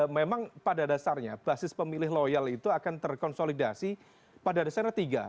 memang pada dasarnya basis pemilih loyal itu akan terkonsolidasi pada dasarnya tiga